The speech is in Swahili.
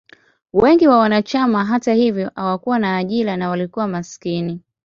Wengi wa wanachama, hata hivyo, hawakuwa na ajira na walikuwa maskini.